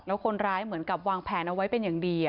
แล้วคนร้ายเหมือนกับวางแผนเอาไว้เป็นอย่างดี